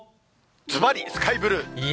ずばりスカイブルー。